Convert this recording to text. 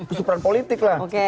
kesurupan apa nih